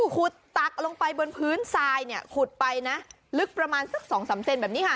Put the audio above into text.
ขุดตักลงไปบนพื้นทรายเนี่ยขุดไปนะลึกประมาณสัก๒๓เซนแบบนี้ค่ะ